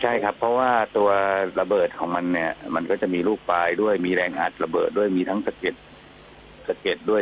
ใช่ครับเพราะว่าระเบิดมันมีลูกปลายแรงอาตระเบิดสเกตทั้งสเก็ตด้วย